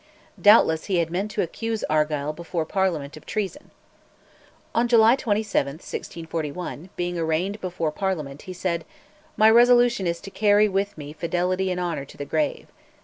Doubtless he had meant to accuse Argyll before Parliament of treason. On July 27, 1641, being arraigned before Parliament, he said, "My resolution is to carry with me fidelity and honour to the grave."